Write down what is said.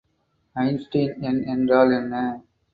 Einstein எண் என்றால் என்ன?